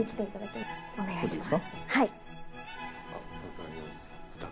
お願いします。